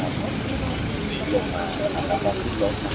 ได้